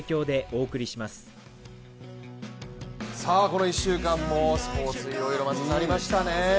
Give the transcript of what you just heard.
この１週間もスポーツいろいろありましたね。